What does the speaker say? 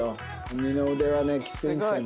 二の腕はねきついんですよね。